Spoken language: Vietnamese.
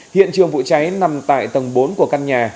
hiện trường vụ cháy nằm tại tầng bốn của căn nhà